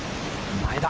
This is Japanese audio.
前田。